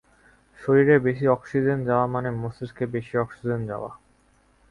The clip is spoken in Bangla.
শরীরে বেশি অক্সিজেন যাওয়া মানে মস্তিষ্কে বেশি অক্সিজেন যাওয়া।